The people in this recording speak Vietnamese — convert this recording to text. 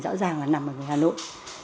rõ ràng là nằm ở người hà nội